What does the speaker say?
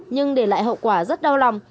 nhưng để lại hậu quả rất đau lòng